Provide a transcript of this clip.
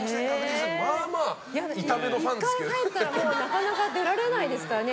１回入ったらなかなか出られないですからね。